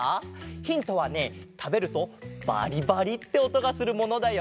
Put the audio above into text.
ヒントはねたべるとバリバリっておとがするものだよ！